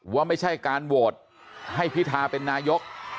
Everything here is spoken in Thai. ว่าไม่ใช่การโหวตให้พิธาเป็นนายก